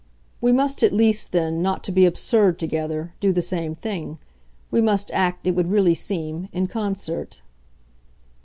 "We must at least then, not to be absurd together, do the same thing. We must act, it would really seem, in concert."